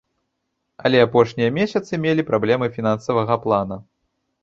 Але апошнія месяцы мелі праблемы фінансавага плана.